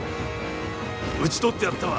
討ち取ってやったわ。